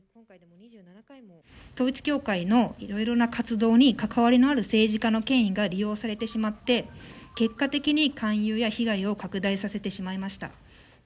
統一教会のいろいろな活動に関わりのある政治家の権威が利用されてしまって、結果的に勧誘や被害を拡大させてしまいました。